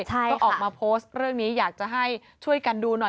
ก็ออกมาโพสต์เรื่องนี้อยากจะให้ช่วยกันดูหน่อย